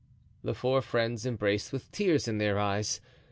The four friends embraced with tears in their eyes.